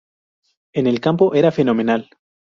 En el campo era fenomenal.